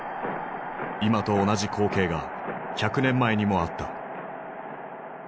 今と同じ光景が１００年前にもあった。